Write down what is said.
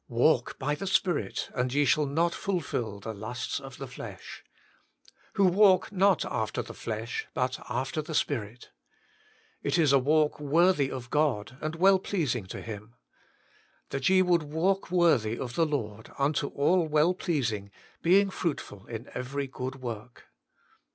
" Walk by the Spirit, and ye shall not fulfil the lusts of the flesh." " Who walk not after the flesh, but after the Spirit." It is a walk worthy of God and well pleasing to Him. " That WILT THOU BE MADE WHOLE? 95 ye would walk worthy of the Lord, unto all well pleasing, being fruitful in every good work."